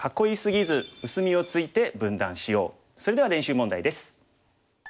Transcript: それでは練習問題です。